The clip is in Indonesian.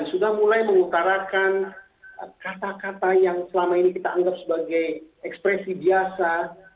dan sudah mulai mengutarakan kata kata yang selama ini kita anggap sebagai ekspresi biasa